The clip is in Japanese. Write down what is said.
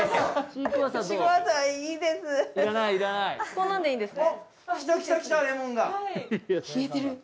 こんなんでいいんですね？